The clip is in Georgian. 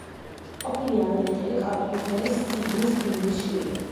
ყოფილი ამერიკელი კალათბურთელის სიდნის გრინის შვილი.